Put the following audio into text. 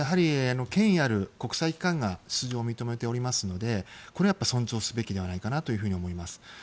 権威ある国際機関が出場を認めておりますのでこれは尊重すべきではないかなと思います。